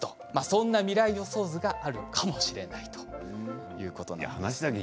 そんな未来予想図があるかもしれないということでした。